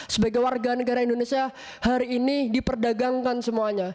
sebagai warga negara indonesia hari ini diperdagangkan semuanya